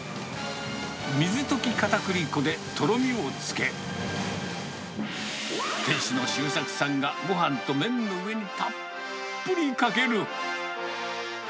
水溶きかたくり粉でとろみをつけ、店主の周作さんが、ごはんと麺の上にたっぷりかける。